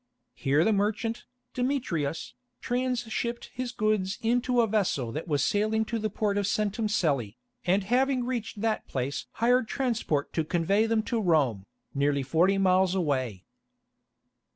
Here the merchant, Demetrius, transhipped his goods into a vessel that was sailing to the port of Centum Cellæ, and having reached that place hired transport to convey them to Rome, nearly forty miles away.